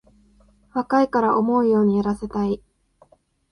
若いから思うようにやらせたい